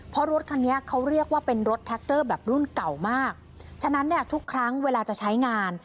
เพราะรถคันนี้เขาเรียกว่าเป็นรถแท็กเตอร์แบบรุ่นเก่ามากฉะนั้นเนี่ยทุกครั้งเวลาจะใช้งาน